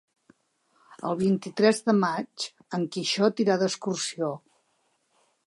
El vint-i-tres de maig en Quixot irà d'excursió.